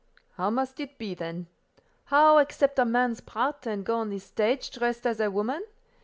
"How must it be, then? How accept a man's part, and go on the stage dressed as a woman?